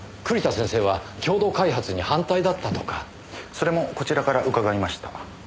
それもこちらから伺いました。